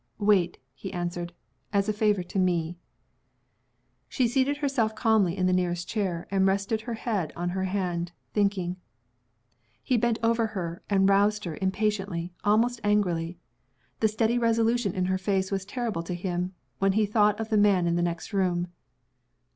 "Wait," he answered, "as a favor to me." She seated herself calmly in the nearest chair, and rested her head on her hand, thinking. He bent over her, and roused her, impatiently, almost angrily. The steady resolution in her face was terrible to him, when he thought of the man in the next room.